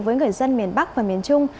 với người dân miền bắc và miền trung